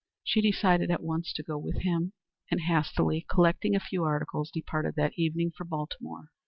She decided at once to go with him, and, hastily collecting a few articles, departed that evening for Baltimore.